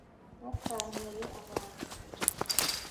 Ntukanyere abantu